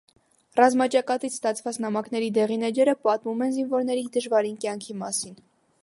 Ռազմաճակատից ստացվածնամակների դեղին էջերը պատմում են զինվորների դժվարին կյանքի մասին։